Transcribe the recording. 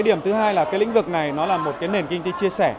điểm thứ hai là lĩnh vực này là một nền kinh tích chia sẻ